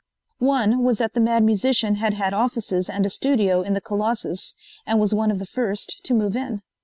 One was that the Mad Musician had had offices and a studio in the Colossus and was one of the first to move in.